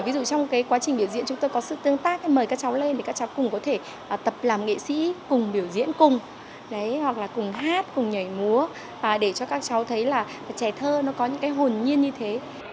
ví dụ trong quá trình biểu diễn chúng tôi có sự tương tác mời các cháu lên để các cháu cùng có thể tập làm nghệ sĩ cùng biểu diễn cùng hát cùng nhảy múa để cho các cháu thấy trẻ thơ có những hồn nhiên như thế